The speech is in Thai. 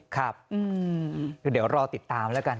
ครับเดี๋ยวรอติดตามแล้วกัน